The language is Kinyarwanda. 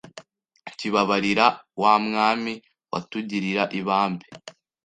Kibabarira wa mwami Watugirira ibambe